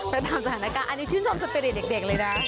ไปตามสถานการณ์อันนี้ชื่นชมสปีริตเด็กเลยนะ